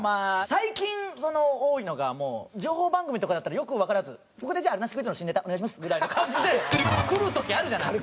最近多いのが情報番組とかだったらよくわからず「ここであるなしクイズの新ネタお願いします」ぐらいの感じでくる時あるじゃないですか。